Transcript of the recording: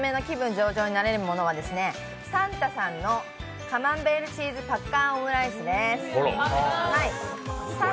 上々になれるもの」はさん太さんのカマンベールチーズぱっかーんオムライスです。